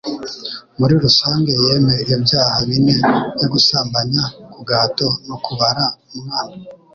Muri rusange yemeye ibyaha bine byo gusambanya ku gahato no kubara umwana